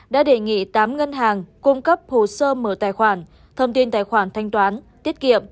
đã đề nghị tám ngân hàng cung cấp hồ sơ mở tài khoản thông tin tài khoản thanh toán tiết kiệm